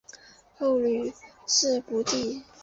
后屡试不第。